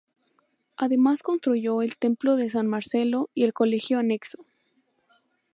Además construyó el Templo de San Marcelo y el Colegio anexo.